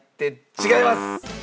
違います！